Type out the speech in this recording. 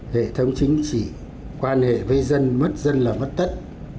hệ thống chính trị quan hệ với dân mất dân là mất tất